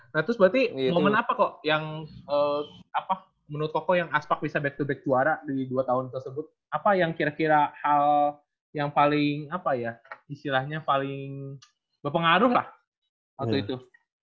nah terus berarti momen apa kok yang apa menurut koko yang aspak bisa back to back juara di dua tahun tersebut apa yang kira kira hal yang paling apa ya istilahnya paling berpengaruh lah waktu itu